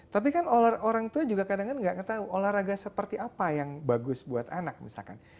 tapi kan orangtua juga kadang nggak ketahuan olahraga seperti apa yang bagus buat anak misalkan